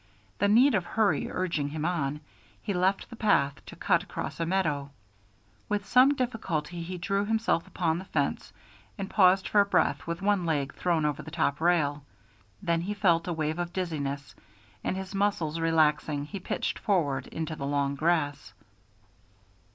The need of hurry urging him on, he left the path to cut across a meadow. With some difficulty he drew himself upon the fence, and paused for breath with one leg thrown over the top rail. Then he felt a wave of dizziness, and, his muscles relaxing, he pitched forward into the long grass.